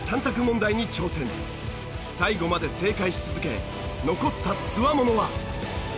最後まで正解し続け残った強者は。